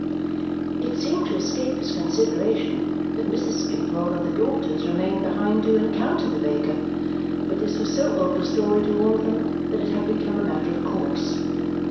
It seemed to escape his consideration that Mrs. Skimpole and the daughters remained behind to encounter the baker, but this was so old a story to all of them that it had become a matter of course.